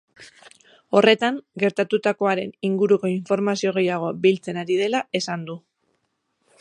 Horretan, gertatutakoaren inguruko informazio gehiago biltzen ari dela esan du.